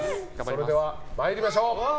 それでは参りましょう。